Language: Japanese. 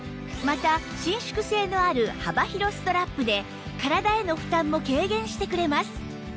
また伸縮性のある幅広ストラップで体への負担も軽減してくれます